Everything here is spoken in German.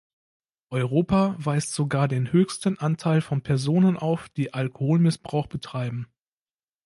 Europa weist sogar den höchsten Anteil von Personen auf, die Alkoholmissbrauch betreiben.